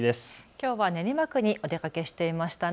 きょうは練馬区にお出かけしていましたね。